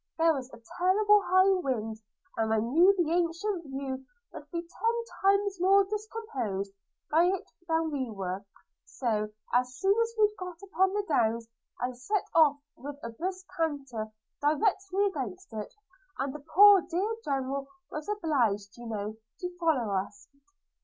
There was a terrible high wind, and I knew the ancient beau would be ten times more discomposed by it than we were – So, as soon as we got upon the downs, I set off with a brisk canter directly against it; and the poor dear General was obliged, you know, to follow us.'